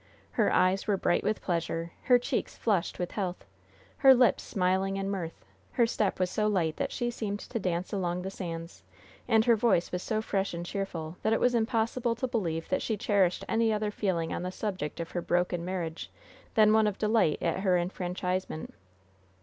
Her eyes were bright with pleasure, her cheeks flushed with health, her lips smiling in mirth, her step was so light that she seemed to dance along the sands, and her voice was so fresh and cheerful that it was impossible to believe that she cherished any other feeling on the subject of her broken marriage than one of delight at her enfranchisement.